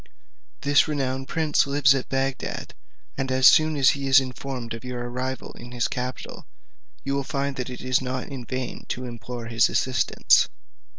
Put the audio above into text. This renowned prince lives at Bagdad, and as soon as he is informed of your arrival in his capital, you will find that it is not in vain to implore his assistance.